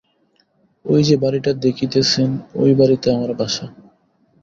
ঐযে বাড়িটা দেখিতেছেন ঐ বাড়িতে আমার বাসা।